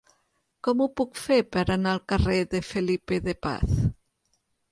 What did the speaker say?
Com ho puc fer per anar al carrer de Felipe de Paz?